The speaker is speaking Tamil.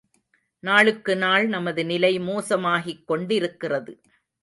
நாளுக்கு நாள் நமது நிலை மோசமாகிக்கொண்டிருக்கிறது.